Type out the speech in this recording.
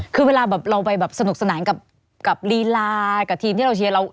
คือเวลาเราไปสนุกสนานกับรีลากับทีมที่เราเชียร์